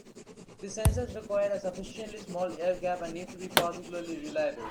These sensors require a sufficiently small air gap and need to be particularly reliable.